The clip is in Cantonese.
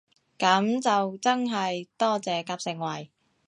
噉就真係多謝夾盛惠